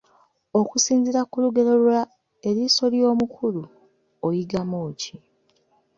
Okusinziira ku lugero lwa "Eriiso ly'omukulu" oyigamu ki.